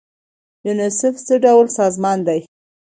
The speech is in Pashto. یونیسف څه ډول سازمان دی؟